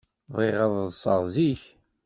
Bɣiɣ ad ḍḍseɣ zik.